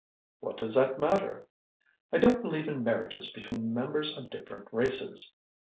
"What does that matter?" "I don't believe in marriages between members of different races."